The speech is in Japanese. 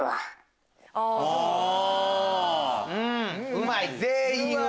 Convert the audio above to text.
うまい。